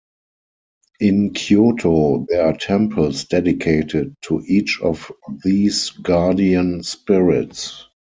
In Kyoto there are temples dedicated to each of these guardian spirits.